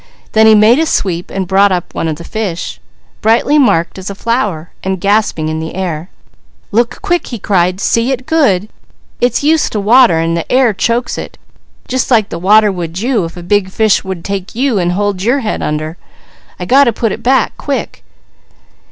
Then he made a sweep and brought up one of the fish, brightly marked as a flower, and gasping in the air. "Look quick!" he cried. "See it good! It's used to water and the air chokes it, just like the water would you if a big fish would take you and hold your head under; I got to put it back quick."